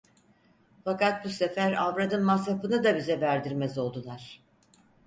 Fakat bu sefer avradın masrafını da bize verdirmez oldular.